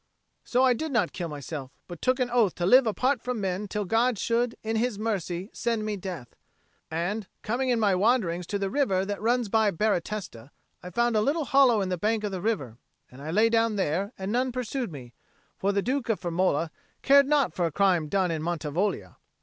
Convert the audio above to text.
So I did not kill myself; but I took an oath to live apart from men till God should in His mercy send me death. And coming in my wanderings to the river that runs by Baratesta, I found a little hollow in the bank of the river, and I lay down there; and none pursued me, for the Duke of Firmola cared not for a crime done in Mantivoglia.